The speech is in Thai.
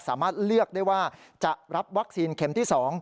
สามารถเลือกได้ว่าจะรับวัคซีนเข็มที่๒